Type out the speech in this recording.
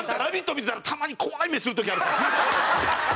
見てたらたまに怖い目する時あるから。